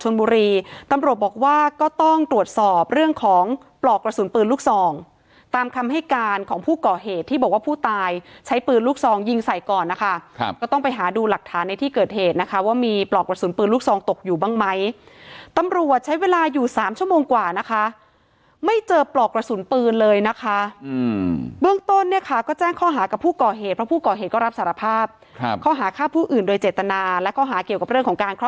ใช้ปืนลูกซองยิงใส่ก่อนนะคะครับก็ต้องไปหาดูหลักฐานในที่เกิดเหตุนะคะว่ามีปลอกละสุนปืนลูกซองตกอยู่บ้างไหมตำรวจใช้เวลาอยู่สามชั่วโมงกว่านะคะไม่เจอปลอกละสุนปืนเลยนะคะอืมเบื้องต้นเนี้ยค่ะก็แจ้งข้อหากับผู้ก่อเหตุเพราะผู้ก่อเหตุก็รับสารภาพครับข้อหาค่าผู้อื่นโดยเจตนาและข้อหาเก